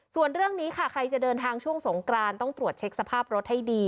ส่วนเรื่องนี้ค่ะใครจะเดินทางช่วงสงกรานต้องตรวจเช็คสภาพรถให้ดี